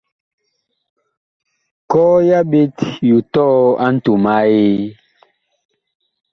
Kɔɔ ya ɓet yu tɔɔ a ntom a Eee.